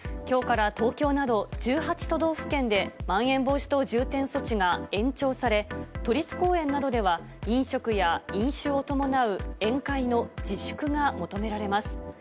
きょうから東京など１８都道府県でまん延防止等重点措置が延長され、都立公園などでは飲食や飲酒を伴う宴会の自粛が求められます。